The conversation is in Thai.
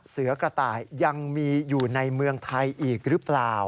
เสือกระต่ายยังมีอยู่ในเมืองไทยอีกหรือเปล่า